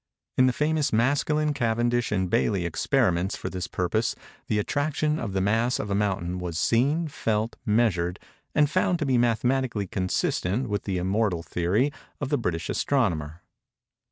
In the famous Maskelyne, Cavendish and Bailly experiments for this purpose, the attraction of the mass of a mountain was seen, felt, measured, and found to be mathematically consistent with the immortal theory of the British astronomer.